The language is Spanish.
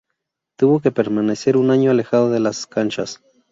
Tuvo que permanecer un año alejado de las canchas.